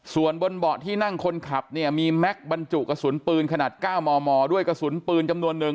ส่วนบนเบาะที่นั่งคนขับเนี่ยมีแม็กซ์บรรจุกระสุนปืนขนาด๙มมด้วยกระสุนปืนจำนวนหนึ่ง